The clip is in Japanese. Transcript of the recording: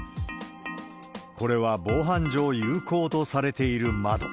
これは防犯上、有効とされている窓。